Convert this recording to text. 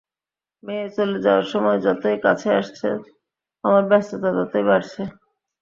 মেয়ে চলে যাওয়ার সময় যতই কাছে আসছে আমার ব্যস্ততা ততই বাড়ছে।